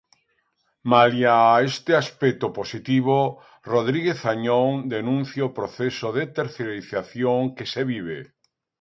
Malia este aspecto positivo, Rodríguez Añón denuncia o proceso de terciarización que se vive.